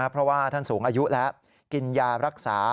เพราะว่าท่านสูงอายุแล้วกินยารักษา